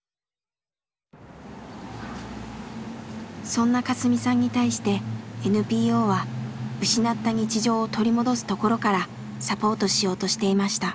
そんなカスミさんに対してＮＰＯは失った日常を取り戻すところからサポートしようとしていました。